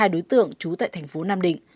hai đối tượng trú tại thành phố nam định